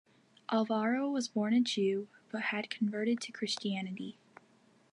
Alvaro was born a Jew, but had converted to Christianity.